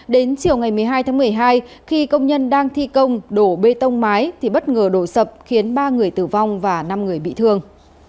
đến chiều ngày một mươi hai tháng một mươi hai khi công nhân đang thi công đổ bê tông mái thì bất ngờ đổ sập khiến ba người tử vong và năm người bị thương